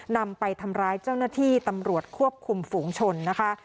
นำไปทำร้ายเจ้าหน้าที่ตำรวจควบคุมฝูงชนนะคะ